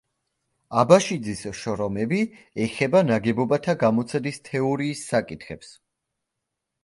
აბაშიძის შრომები ეხება ნაგებობათა გამოცდის თეორიის საკითხებს.